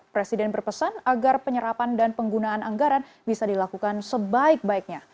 presiden berpesan agar penyerapan dan penggunaan anggaran bisa dilakukan sebaik baiknya